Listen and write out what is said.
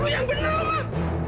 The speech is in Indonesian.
lu yang bener ma